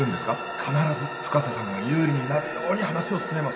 必ず深瀬さんが有利になるように話を進めます